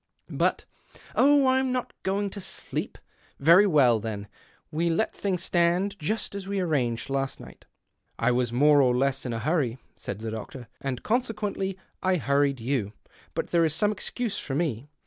But "" Oh, I'm not going to sleep. Very well, then — we let things stand just as we arranged last night." " I was more or less in a hurry," said the doctor, "and consequently I hurried you. But there is some excuse for me.